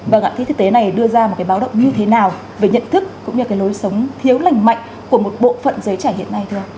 vâng ạ thì thực tế này đưa ra một cái báo động như thế nào về nhận thức cũng như cái lối sống thiếu lành mạnh của một bộ phận giới trẻ hiện nay thưa ông